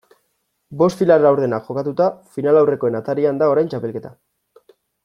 Bost final laurdenak jokatuta, finalaurrekoen atarian da orain txapelketa.